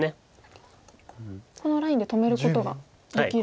このラインで止めることができるんですか。